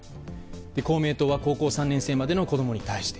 公明党は高校３年生までの子供に対して。